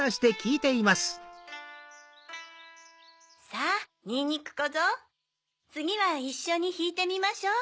さぁにんにくこぞうつぎはいっしょにひいてみましょう。